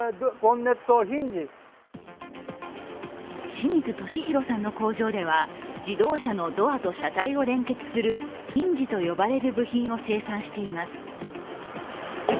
清水利浩さんの工場では自動車のドアと車体を連結するヒンジと呼ばれる部品を生産しています。